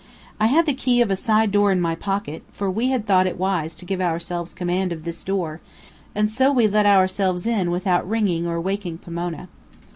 I had the key of a side door in my pocket, for we had thought it wise to give ourselves command of this door, and so we let ourselves in without ringing or waking Pomona.